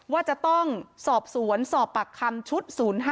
ว่าจะต้องสอบสวนสอบปากคำชุด๐๕